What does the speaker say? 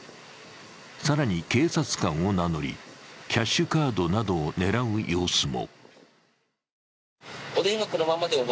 更に警察官を名乗りキャッシュカードなどを狙う様子も。